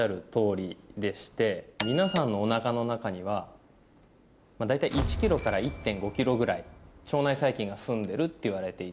皆さんのお腹の中には大体１ｋｇから１．５ｋｇぐらい腸内細菌がすんでるっていわれていて。